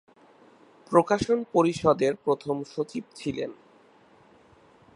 প্রকাশন পরিষদের প্রথম সচিব ছিলেন।